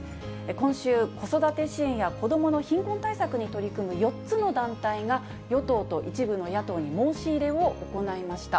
今週、子育て支援や子どもの貧困対策に取り組む４つの団体が与党と一部の野党に申し入れを行いました。